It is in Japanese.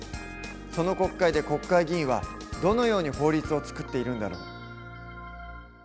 その国会で国会議員はどのように法律を作っているんだろう？